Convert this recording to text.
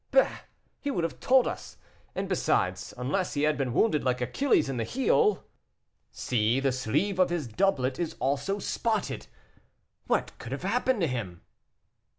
"Bah! he would have told us; and, besides, unless he had been wounded like Achilles in the heel " "See, the sleeve of his doublet is also spotted. What can have happened to him?"